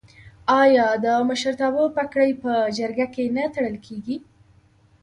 آیا د مشرتابه پګړۍ په جرګه کې نه تړل کیږي؟